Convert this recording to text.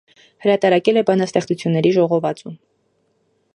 Հրատարակել է բանաստեղծությունների ժողովածու։